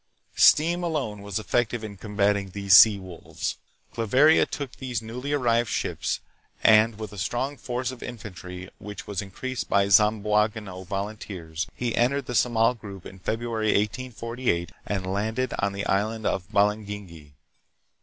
Steam alone was effective in combating these sea wolves. Claveria took these newly arrived ships, and with a strong force of infantry, which was increased by Zamboangueno volunteers, he entered the Samal group in February, 1848, and landed on the island of Balangingi.